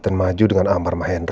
dan maju dengan ambar mahendra